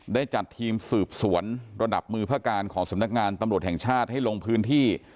ได้จัดทีมสืบสวนระดับมือพระการของสำนักงานตำรวจแห่งชาติให้ลงพื้นที่